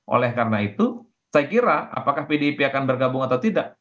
oleh karena itu saya kira apakah pdip akan bergabung atau tidak